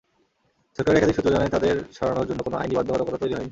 সরকারের একাধিক সূত্র জানায়, তাঁদের সরানোর জন্য কোনো আইনি বাধ্যবাধকতা তৈরি হয়নি।